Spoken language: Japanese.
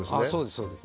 そうです